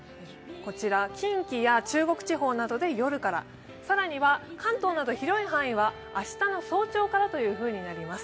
近畿や中国地方などで夜から、更には関東など広い範囲は明日の早朝からというふうになります。